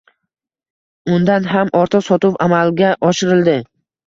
Undan ham ortiq sotuv amalga oshirildi